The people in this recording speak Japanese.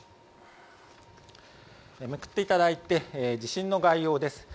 めくっていただいて地震の概要です。